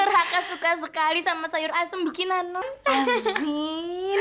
raka suka sekali sama sayur asem bikinan non